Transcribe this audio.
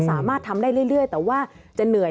สามารถทำได้เรื่อยแต่ว่าจะเหนื่อย